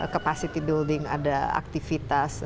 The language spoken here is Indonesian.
capacity building ada aktivitas